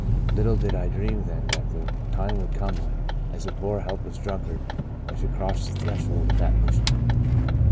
Little did I dream then that the time would come when, as a poor helpless drunkard, I should cross the threshold of that Mission.